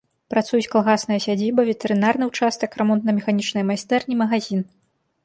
Працуюць калгасная сядзіба, ветэрынарны ўчастак, рамонтна-механічныя майстэрні, магазін.